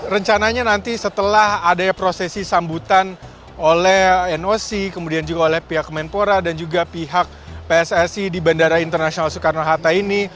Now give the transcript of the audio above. rencananya nanti setelah ada prosesi sambutan oleh noc kemudian juga oleh pihak kemenpora dan juga pihak pssi di bandara internasional soekarno hatta ini